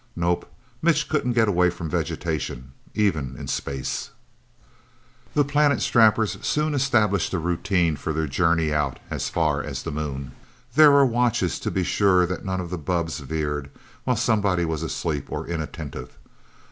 Nope Mitch couldn't get away from vegetation, even in space. The Planet Strappers soon established a routine for their journey out as far as the Moon. There were watches, to be sure that none of the bubbs veered, while somebody was asleep or inattentive.